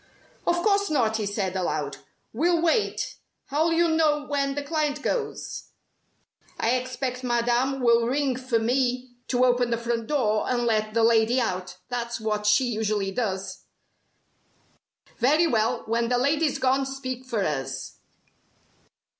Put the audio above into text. "Of course not," he said, aloud. "We'll wait. How'll you know when the client goes?" "I expect Madame will ring for me to open the front door, and let the lady out. That's what she usually does." "Very well, when the lady's gone speak for us."